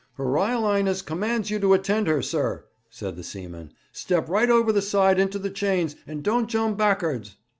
'Her Ryle 'Ighness commands you to attend her, sir,' said the seaman. 'Step right over the side into the chains, and don't jump back'ards.'